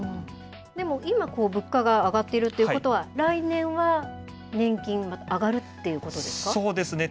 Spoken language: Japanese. でも今、物価が上がっているということは、来年は年金、そうですね。